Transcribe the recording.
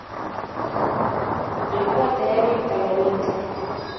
Alikuwa tayari kwa lolote